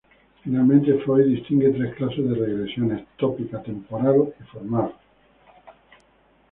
Finalmente, Freud distingue tres clases de regresiones: Tópica, Temporal y Formal.